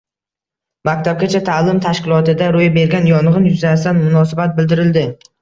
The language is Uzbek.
Maktabgacha ta’lim tashkilotida ro‘y bergan yong‘in yuzasidan munosabat bildirildi